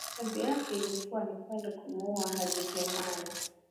Kazi yake ilikuwa ni kwenda kumuua Hakizemana